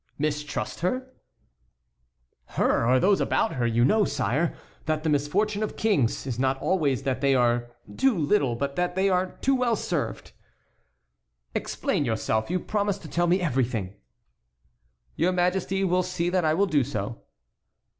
"Mistrust her?" "Her, or those about her. You know, sire, that the misfortune of kings is not always that they are too little but that they are too well served." "Explain yourself; you promised to tell me everything." "Your Majesty will see that I will do so."